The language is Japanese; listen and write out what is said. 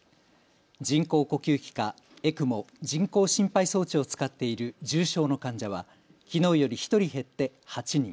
人工呼吸器かＥＣＭＯ・人工心肺装置を使っている重症の患者はきのうより１人減って８人。